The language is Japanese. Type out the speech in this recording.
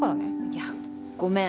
いやごめん